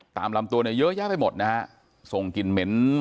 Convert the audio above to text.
ตามลำตัวเนี่ยเยอะแยะไปหมดนะฮะส่งกลิ่นเหม็น